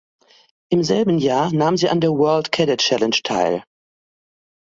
Im selben Jahr nahm sie an der World Cadet Challenge teil.